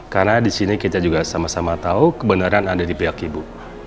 karena di sini kita juga sama sama tahu kebenaran ada di pihak ibu